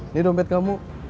ini dompet kamu